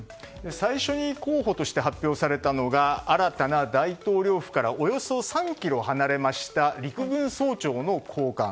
最初に候補として発表されたのが新たな大統領府からおよそ３ｋｍ離れました陸軍総長の公館。